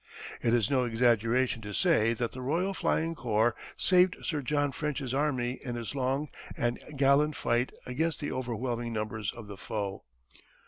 It is no exaggeration to say that the Royal Flying Corps saved Sir John French's army in his long and gallant fight against the overwhelming numbers of the foe.